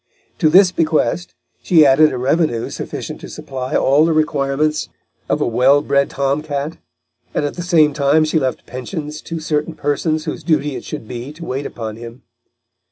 To this bequest she added a revenue sufficient to supply all the requirements of a well bred tom cat, and at the same time she left pensions to certain persons whose duty it should be to wait upon him.